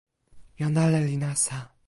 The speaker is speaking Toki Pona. jan ale li nasa.